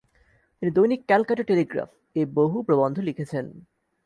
তিনি 'দৈনিক ক্যালকাটা টেলিগ্রাফ'-এ বহু প্রবন্ধ লিখেছেন।